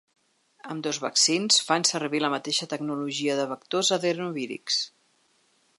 Ambdós vaccins fan servir la mateixa tecnologia de vectors adenovírics.